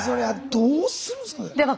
どうするんですかね。